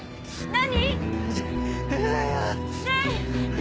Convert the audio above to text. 何⁉